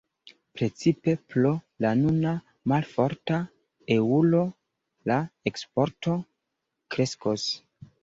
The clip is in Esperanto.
Precipe pro la nuna malforta eŭro la eksporto kreskos.